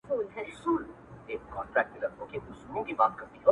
او ښه په ډاگه درته وايمه چي_